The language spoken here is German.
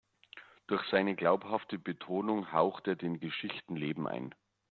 Durch seine glaubhafte Betonung haucht er den Geschichten Leben ein.